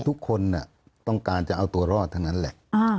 ทุกคนต้องการจะเอาตัวรอดเท่านั้นแหละ